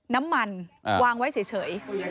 น้ำมันวางไว้เฉย